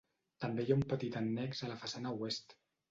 També hi ha un petit annex a la façana oest.